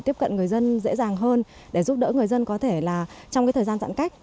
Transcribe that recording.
tiếp cận người dân dễ dàng hơn để giúp đỡ người dân có thể là trong cái thời gian giãn cách